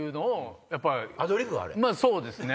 そうですね。